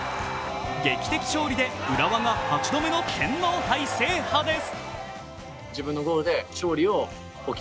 劇的勝利で浦和が８度目の天皇杯制覇です。